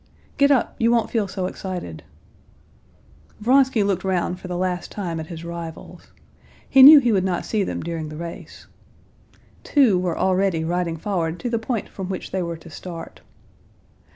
"Get up; you won't feel so excited." Vronsky looked round for the last time at his rivals. He knew that he would not see them during the race. Two were already riding forward to the point from which they were to start.